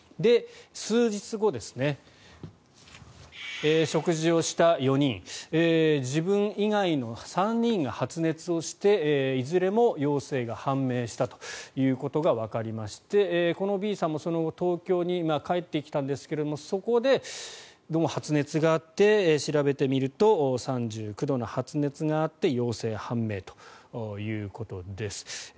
数日後ですね、食事をした４人自分以外の３人が発熱をしていずれも陽性が判明したということがわかりましてこのＢさんもその後東京に帰ってきたんですがそこでどうも発熱があって調べてみると３９度の発熱があって陽性判明ということです。